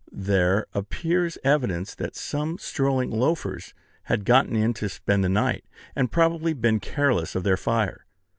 There appears evidence that some strolling loafers had gotten in to spend the night, and probably been careless of their fire.